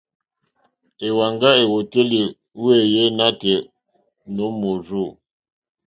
Èwàŋgá èwòtélì wéèyé nǎtɛ̀ɛ̀ nǒ mòrzô.